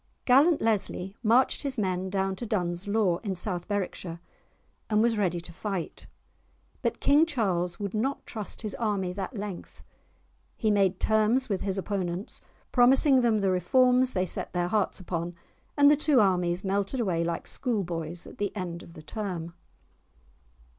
Gallant Leslie marched his men down to Duns Law, in South Berwickshire, and was ready to fight. But King Charles would not trust his army that length; he made terms with his opponents, promising them the reforms they set their hearts upon, and the two armies melted away like school boys at the end of the term.